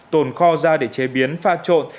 tồn kho ra để chế biến pha trộn